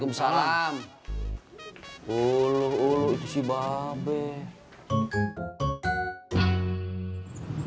uluh ulu itu si baabeh